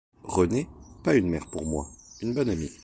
Renée, pas une mère pour moi, une bonne amie.